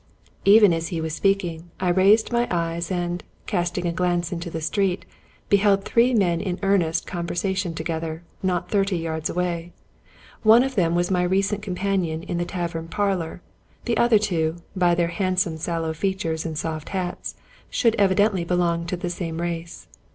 Even as he was speaking, I raised my eyes, and, casting a glance into the street, beheld three men in earnest con versation together, and not thirty yards away. One of them was my recent companion in the tavern parlor; the other two, by their handsome sallow features and soft hats, should evidently belong to the same race.